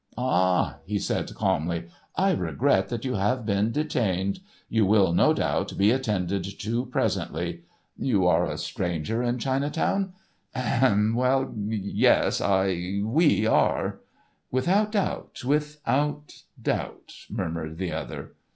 "Ah," he said, calmly, "I regret that you have been detained. You will, no doubt, be attended to presently. You are a stranger in Chinatown?" "Ahem!—well, yes—I—we are." "Without doubt—without doubt!" murmured the other.